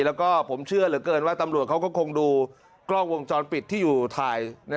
แล้วก็ผมเชื่อเหลือเกินว่าตำรวจเขาก็คงดูกล้องวงจรปิดที่อยู่ถ่าย